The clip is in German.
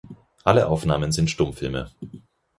Alle Aufnahmen sind Stummfilme.